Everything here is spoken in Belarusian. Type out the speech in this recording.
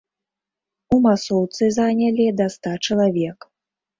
У масоўцы занялі да ста чалавек.